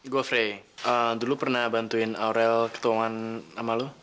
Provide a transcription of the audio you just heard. gue frey dulu pernah bantuin aurel ketuangan sama lo